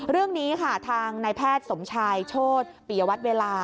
เรื่องนี้ค่ะทางนายแพทย์สมชายโชธปิยวัตรเวลา